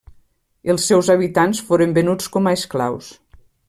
Els seus habitants foren venuts com a esclaus.